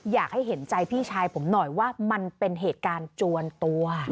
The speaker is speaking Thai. อยากให้เห็นใจพี่ชายผมหน่อยว่ามันเป็นเหตุการณ์จวนตัว